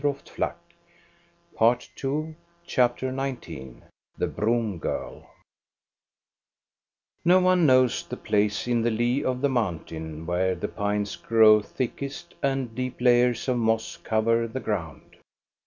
THE BROOM GIRL 403 CHAPTER XIX THE BROOM GIRL No one knows the place in the lee of the mountain where the pines grow thickest and deep layers of moss cover the ground.